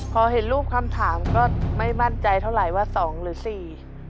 พอเห็นรูปคำถามก็ไม่มั่นใจเท่าไหร่ว่าสองหรือสี่